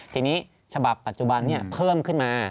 ทีนี้ฉบับปัจจุบันนี้เพิ่มขึ้นมา